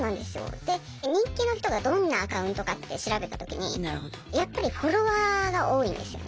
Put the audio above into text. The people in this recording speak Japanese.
で人気の人がどんなアカウントかって調べた時にやっぱりフォロワーが多いんですよね。